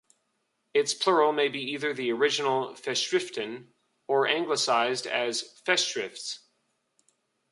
Its plural may be either the original "Festschriften" or anglicized as "Festschrifts".